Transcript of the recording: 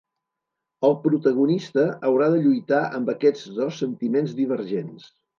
El protagonista haurà de lluitar amb aquests dos sentiments divergents.